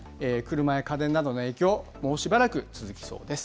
車や家電などの影響、もうしばらく続きそうです。